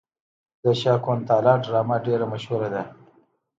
د شاکونتالا ډرامه ډیره مشهوره ده.